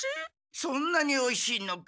そんなにおいしいのか。